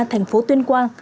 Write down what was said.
thành phố tuyên quang